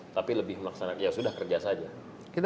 tapi lebih melaksanakan ya sudah kerja saja